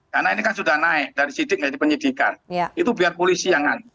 karena ini kan sudah naik dari sidik menjadi penyidikan itu biar polisi yang ngan